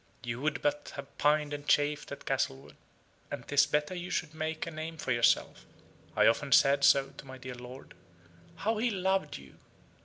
You would but have pined and chafed at Castlewood: and 'tis better you should make a name for yourself. I often said so to my dear lord. How he loved you!